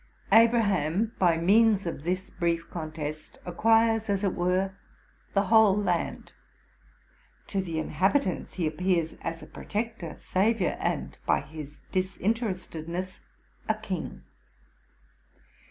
Abraham, by means of this brief contest, acquires, as 'it were, the whole land. 'To the inhabitants he appears as a protector, savior, and, by his disinterestedness, a king.